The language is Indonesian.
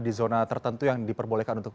di zona tertentu yang diperbolehkan untuk